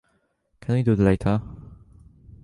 Can we do it later?